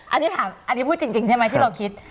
อันนี้ถามอันนี้พูดจริงใช่ไหมที่เราคิด